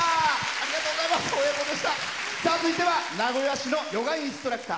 続いては名古屋市のヨガインストラクター。